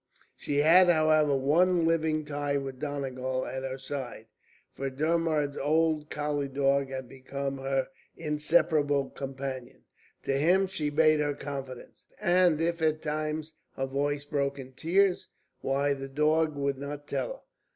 She had, however, one living tie with Donegal at her side, for Dermod's old collie dog had become her inseparable companion. To him she made her confidence, and if at times her voice broke in tears, why, the dog would not tell.